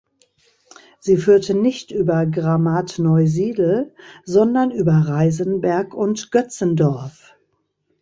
Sie führte nicht über Gramatneusiedl, sondern über Reisenberg und Götzendorf.